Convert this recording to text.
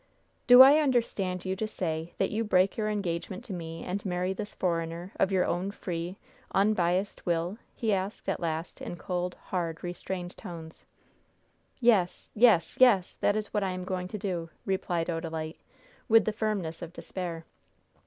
"Do I understand you to say that you break your engagement to me, and marry this foreigner, of your own free, unbiased will?" he asked, at last, in cold, hard, restrained tones. "Yes, yes, yes! that is what I am going to do!" replied Odalite, with the firmness of despair.